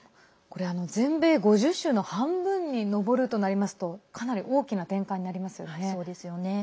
全米５０州の半分に上るとなりますとかなり大きな転換になりますね。